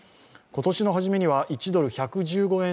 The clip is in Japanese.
今年のはじめには、１ドル＝１１５円